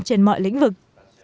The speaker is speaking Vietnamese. trên mọi lĩnh vực